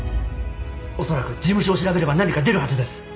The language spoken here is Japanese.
おそらく事務所を調べれば何か出るはずです。